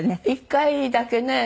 １回だけね。